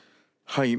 はい。